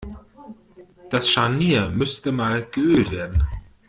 Das Scharnier müsste mal geölt werden.